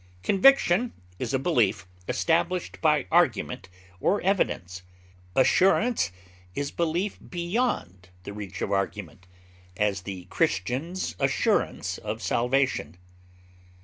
Conviction is a belief established by argument or evidence; assurance is belief beyond the reach of argument; as, the Christian's assurance of salvation.